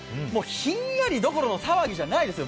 ひんやりどころの騒ぎじゃないですよ